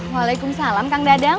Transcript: waalaikumsalam kang dadang